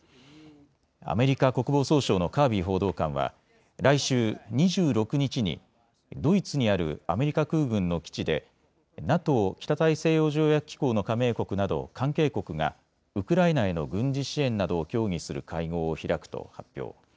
アメリカ国防総省のカービー報道官は来週２６日にドイツにあるアメリカ空軍の基地でＮＡＴＯ・北大西洋条約機構の加盟国など関係国がウクライナへの軍事支援などを協議する会合を開くと発表。